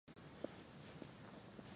کورنۍ د ټولنې بنسټیزه برخه ده.